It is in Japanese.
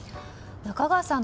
中川さん